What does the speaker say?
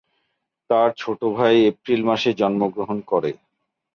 তার ছোট ভাই এপ্রিল মাসে জন্মগ্রহণ করে।